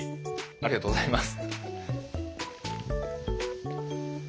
ありがとうございます。